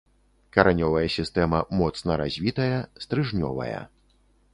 Каранёвая сістэма моцна развітая, стрыжнёвая.